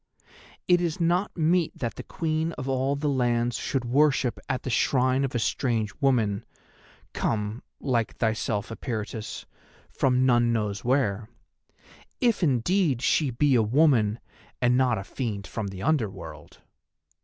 It is not meet that the Queen of all the Lands should worship at the shrine of a strange woman, come—like thyself, Eperitus—from none knows where: if indeed she be a woman and not a fiend from the Under World.